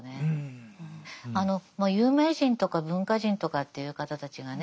あの有名人とか文化人とかっていう方たちがね